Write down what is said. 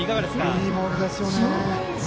いいボールですよね。